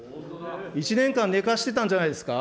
１年間寝かしてたんじゃないですか。